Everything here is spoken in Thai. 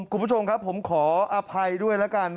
คุณผู้ชมครับผมขออภัยด้วยแล้วกัน